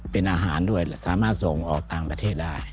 เป็นอาหารด้วยสามารถส่งออกต่างประเทศได้